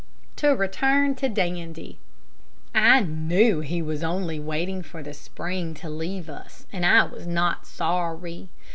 To return to Dandy. I knew he was only waiting for the spring to leave us, and I was not sorry.